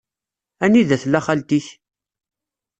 Anida tella xalti-k?